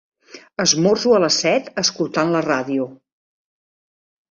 Esmorzo a les set, escoltant la ràdio.